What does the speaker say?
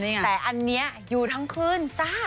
แต่อันนี้อยู่ทั้งคืนซ่า